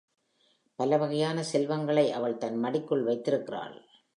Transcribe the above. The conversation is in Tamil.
பலவகையான செல்வங்களை அவள் தன் மடிக்குள் வைத்திருக்கிறாள்.